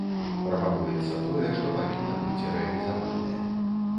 Прапануецца тое, што павінна быць рэалізаванае.